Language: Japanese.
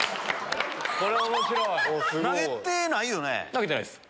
投げてないっす。